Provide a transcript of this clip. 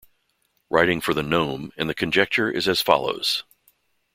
Writing for the nome and the conjecture is as follows.